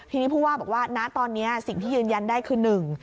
ทีนี้ผู้ว่าบอกว่าณตอนนี้สิ่งที่ยืนยันได้คือหนึ่ง